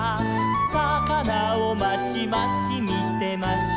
「さかなをまちまちみてました」